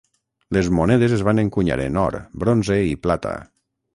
Les monedes es van encunyar en or, bronze i plata.